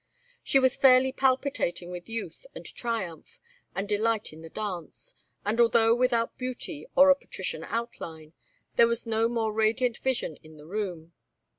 She was fairly palpitating with youth and triumph, and delight in the dance, and although without beauty or a patrician outline, there was no more radiant vision in the room.